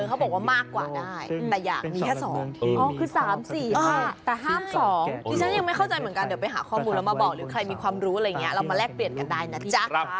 เขาบอกว่ามากกว่าได้แต่อย่างมีแค่สอง